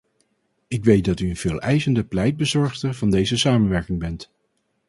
Ik weet dat u een veeleisende pleitbezorgster van deze samenwerking bent.